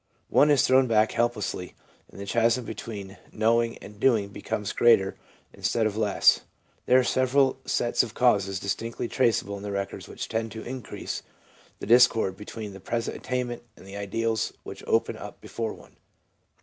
One is thrown back helplessly, and the chasm between knowing and doing becomes greater instead of less. There are several sets of causes distinctly traceable in the records which tend to increase the discord between present attainment and the ideals which open up before one.